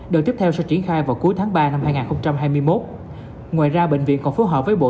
đợt tiếp theo sẽ triển khai vào cuối tháng ba năm hai nghìn hai mươi một ngoài ra bệnh viện còn phù hợp với bộ